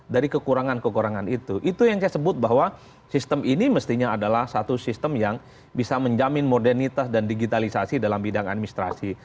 dari kekurangan kekurangan itu itu yang saya sebut bahwa sistem ini mestinya adalah satu sistem yang bisa menjamin modernitas dan digitalisasi dalam bidang administrasi